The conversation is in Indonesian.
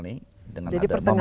jadi pertengahan tahun dari